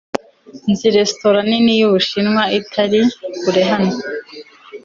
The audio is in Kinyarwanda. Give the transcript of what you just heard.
Nzi resitora nini yubushinwa itari kure hano